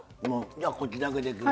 じゃあこっちだけで。